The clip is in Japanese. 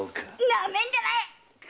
なめるんじゃないよ！